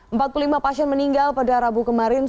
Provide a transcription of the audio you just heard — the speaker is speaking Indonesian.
empat puluh lima pasien meninggal pada rabu kemarin